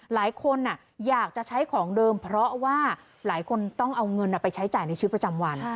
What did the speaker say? หลายคนอยากจะใช้ของเดิมเพราะว่าหลายคนต้องเอาเงินไปใช้จ่ายในชีวิตประจำวัน